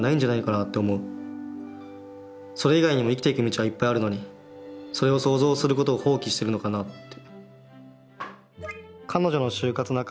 それ以外にも生きていく道はいっぱいあるのにそれを想像することを放棄してるのかなって。